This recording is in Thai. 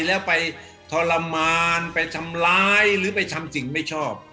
แล้วไปทรมานไปทำร้ายหรือไปทำสิ่งไม่ชอบ